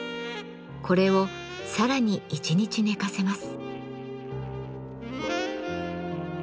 これをさらに一日寝かせます。